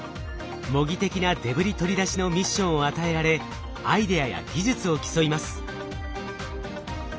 模擬的なデブリ取り出しのミッションを与えられアイデアや技術を競います。